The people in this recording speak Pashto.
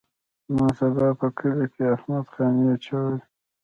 نن سبا په کلي کې احمد خاني چولي.